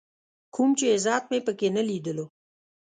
کوم چې عزت مې په کې نه ليدلو.